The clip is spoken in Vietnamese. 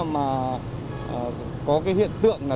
mà có hiện tượng